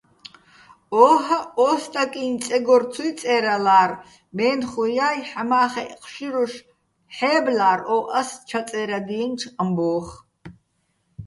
ო́ჰაჸ ო სტაკიჼ წეგორ ცუჲ წე́რალარ, მე́ნუხა́ჲ ჰ̦ამა́ხეჸ ჴშირუშ ჰ̦ე́ბლარ ო ას ჩაწე́რადჲიენჩო̆ ამბო́ხ.